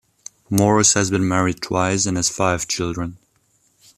Morse has been married twice and has five children.